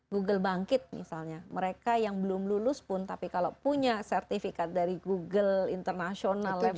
google bangkit misalnya mereka yang belum lulus pun tapi kalau punya sertifikat dari google internasional level